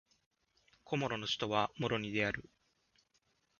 コモロの首都はモロニである